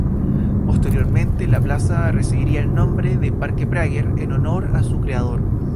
Posteriormente la plaza recibiría el nombre de Parque Prager en honor a su creador.